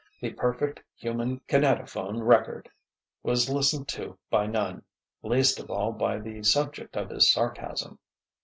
the perfect human kinetophone record!" was listened to by none, least of all by the subject of his sarcasm.